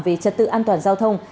về trật tự an toàn giao thông